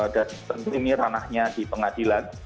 dan tentunya tanahnya di pengadilan